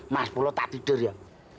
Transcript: mas pulo tak tidur ya